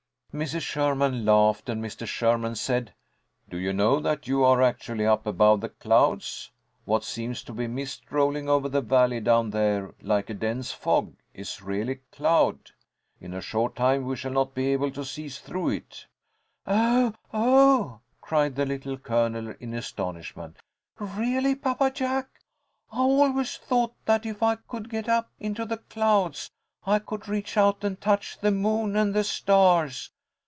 Mrs. Sherman laughed and Mr. Sherman said, "Do you know that you are actually up above the clouds? What seems to be mist, rolling over the valley down there like a dense fog, is really cloud. In a short time we shall not be able to see through it." "Oh, oh!" cried the Little Colonel, in astonishment. "Really, Papa Jack? I always thought that if I could get up into the clouds I could reach out and touch the moon and the stars.